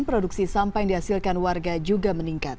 produksi sampah yang dihasilkan warga juga meningkat